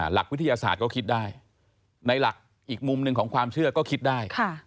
หลักวิทยาศาสตร์ก็คิดได้ในหลักอีกมุมหนึ่งของความเชื่อก็คิดได้